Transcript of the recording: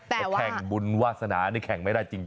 แต่แข่งบุญวาสนานี่แข่งไม่ได้จริง